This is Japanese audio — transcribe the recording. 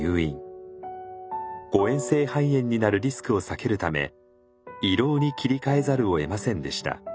誤嚥性肺炎になるリスクを避けるため胃ろうに切り替えざるをえませんでした。